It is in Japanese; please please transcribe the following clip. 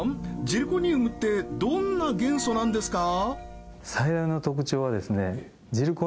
ジルコニウムってどんな元素なんですか？